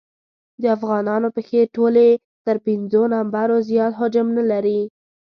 د افغانانو پښې ټولې تر پېنځو نمبرو زیات حجم نه لري.